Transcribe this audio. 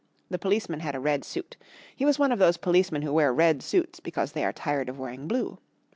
The policeman had a red suit. He was one of those policemen who wear red suits because they are tired of wearing blue.